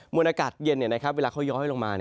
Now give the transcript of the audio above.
วนอากาศเย็นเวลาเขาย้อยลงมา